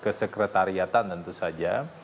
kesekretariatan tentu saja